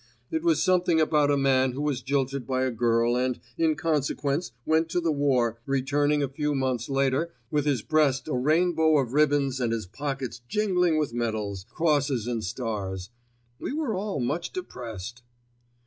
It was something about a man who was jilted by a girl and, in consequence, went to the war, returning a few months later with his breast a rainbow of ribbons and his pockets jingling with medals, crosses and stars. We were all much depressed.